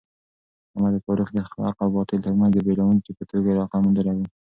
عمر فاروق د حق او باطل ترمنځ د بېلوونکي په توګه لقب موندلی و.